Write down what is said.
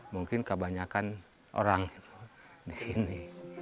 mungkin kebanyakan orang di sini